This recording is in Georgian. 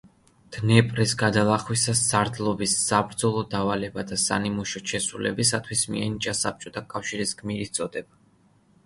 დნეპრის გადალახვისას სარდლობის საბრძოლო დავალებათა სანიმუშოდ შესრულებისათვის მიენიჭა საბჭოთა კავშირის გმირის წოდება.